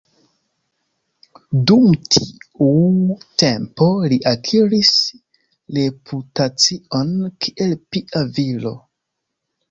Dum tiu tempo li akiris reputacion kiel pia viro.